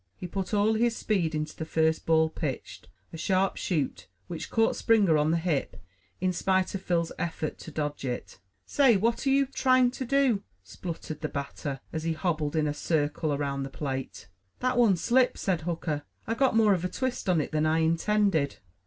He put all his speed into the first ball pitched, a sharp shoot, which caught Springer on the hip, in spite of Phil's effort to dodge it. "Say, what are you tut trying to do?" spluttered the batter, as he hobbled in a circle around the plate. "That one slipped," said Hooker. "I got more of a twist on it than I intended."